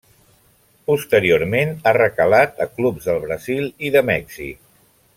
Posteriorment ha recalat a clubs del Brasil i de Mèxic.